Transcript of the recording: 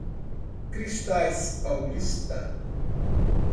Cristais Paulista